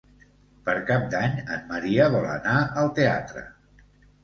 Per Cap d'Any en Maria vol anar al teatre.